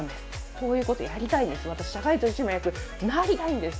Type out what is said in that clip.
こういうことやりたいんです、私は社外取締役、なりたいんです。